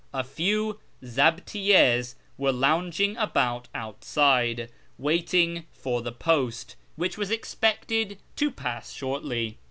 A few zdbtiyTjds were lounging about outside, waiting for the post, which was expected to pass shortly.